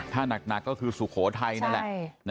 ท่านักก็คือสุโขไทนั่นแหละใช่